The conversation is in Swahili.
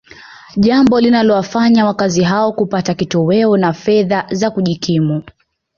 jambo linalowafanya wakazi hao kupata kitoweo na fedha za kujikimu